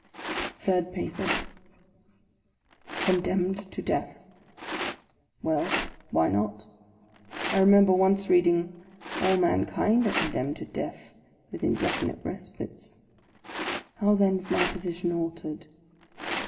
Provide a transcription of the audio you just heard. THIRD PAPER C" ONDEMNED to death ! Well, why not ? I remember once reading, " All man Id nd are condemned to death, with indefinite respites." How then is my position altered?